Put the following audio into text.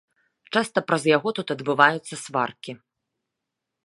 Часта праз яго тут адбываюцца сваркі.